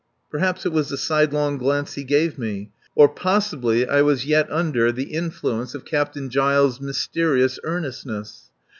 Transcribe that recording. Perhaps it was the sidelong glance he gave me; or possibly I was yet under the influence of Captain Giles' mysterious earnestness.